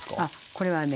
これはね